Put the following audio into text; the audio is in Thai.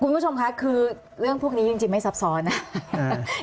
คุณผู้ชมค่ะคือเรื่องพวกนี้จริงไม่ซับซ้อนนะครับ